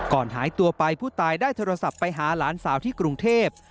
หายตัวไปผู้ตายได้โทรศัพท์ไปหาหลานสาวที่กรุงเทพ